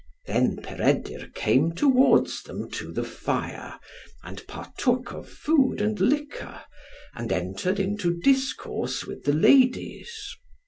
Then Peredur came towards them to the fire, and partook of food and liquor, and entered into discourse with the ladies.